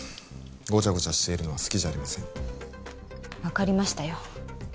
ゴチャゴチャしているのは好きじゃありません分かりましたよ